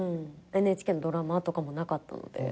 ＮＨＫのドラマとかもなかったので。